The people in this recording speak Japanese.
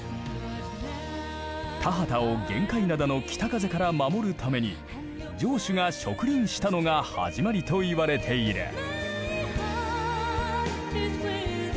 田畑を玄界灘の北風から守るために城主が植林したのが始まりと言われている。